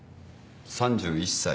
３１歳。